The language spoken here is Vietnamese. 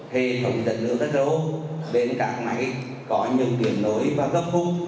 hệ thống dẫn nước ro đến các máy có nhiều điểm lối và gấp khúc